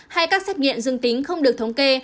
hay các xét nghiệm dương tính không được thống kê